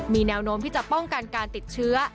มีแนวโน้มที่จะป้องกันการติดเชื้อ